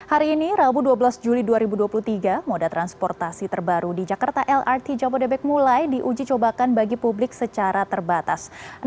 hari ini rabu dua belas juli dua ribu dua puluh tiga moda transportasi terbaru di jakarta lrt jabodebek mulai diuji cobakan bagi publik secara terbatas